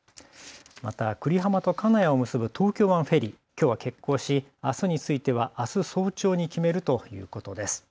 また久里浜と金谷を結ぶ東京湾フェリー、きょうは欠航しあすについてはあす早朝に決めるということです。